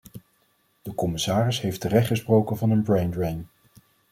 De commissaris heeft terecht gesproken van een braindrain.